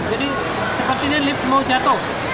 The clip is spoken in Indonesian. jadi sepertinya lift mau jatuh